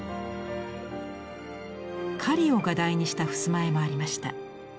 狩りを画題にした襖絵もありました。